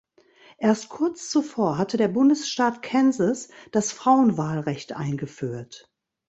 Erst kurz zuvor hatte der Bundesstaat Kansas das Frauenwahlrecht eingeführt.